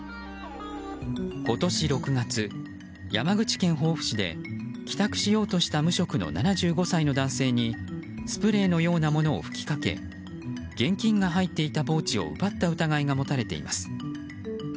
今年６月、山口県防府市で帰宅しようとした無職の７５歳の男性にスプレーのようなものを吹きかけ現金が入っていたポーチを奪った疑いが持たれています。